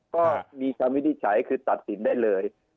ก็มีความวิทย์ใช้คือตัดสินได้เลย